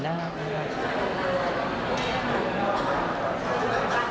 เป็นเพลงที่